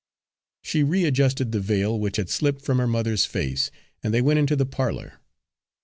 She readjusted the veil, which had slipped from her mother's face, and they went into the parlour.